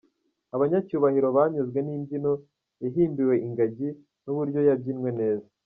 Abanyacyubahiro banyuzwe n’imbyino yahimbiwe ingagi n’uburyo yabyinwe neza.